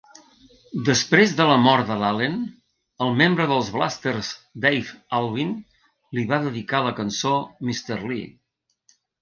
Després de la mort de l'Allen, el membre dels Blasters Dave Alvin li va dedicar la cançó "Mister Lee".